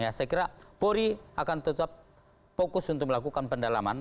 saya kira polri akan tetap fokus untuk melakukan pendalaman